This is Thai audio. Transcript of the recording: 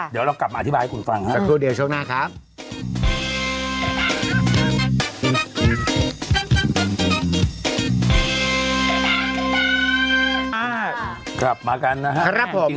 สุราเสรีหมดเลยเออ